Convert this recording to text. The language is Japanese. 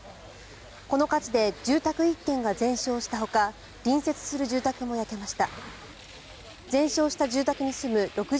この火事で住宅１軒が全焼したほか隣接する住宅も焼けました。